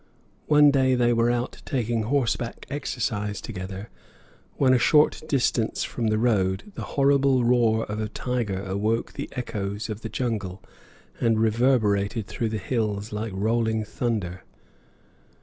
One day they were out taking horseback exercise together, when, a short distance from the road, the horrible roar of a tiger awoke the echoes of the jungle and reverberated through the hills like rolling thunder.